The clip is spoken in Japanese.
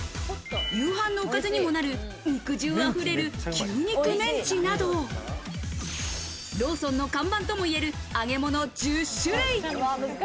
夕飯のおかずにもなる肉汁溢れる牛肉メンチなどローソンの看板ともいえる揚げ物１０種類。